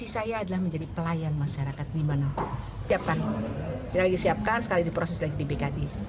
saya harus laporan ke pak ahok